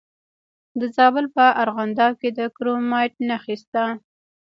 د زابل په ارغنداب کې د کرومایټ نښې شته.